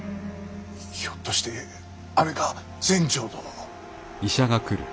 ひょっとしてあれか全成殿の。